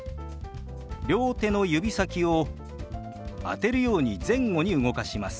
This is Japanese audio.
両手の指先を当てるように前後に動かします。